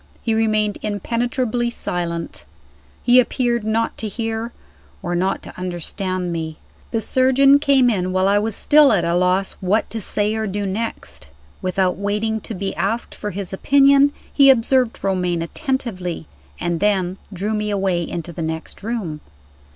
He remained impenetrably silent; he appeared not to hear, or not to understand me. The surgeon came in, while I was still at a loss what to say or do next. Without waiting to be asked for his opinion, he observed Romayne attentively, and then drew me away into the next room.